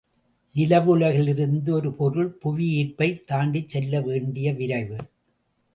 நிலவுலகிலிருந்து ஒரு பொருள் புவி ஈர்ப்பைத் தாண்டிச் செல்ல வேண்டிய விரைவு.